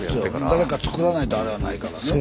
誰か作らないとあれはないからね。